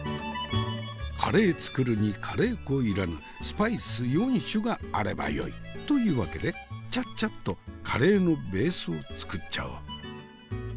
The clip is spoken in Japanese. カレー作るにカレー粉要らぬスパイス４種があればよい。というわけでちゃっちゃっとカレーのベースを作っちゃおう。